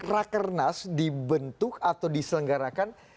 raker nas dibentuk atau diselenggarakan